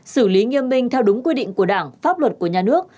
xử lý nghiêm minh theo đúng quy định của đảng pháp luật của nhà nước